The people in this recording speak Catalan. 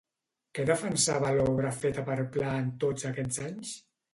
Què defensava l'obra feta per Pla en tots aquests anys?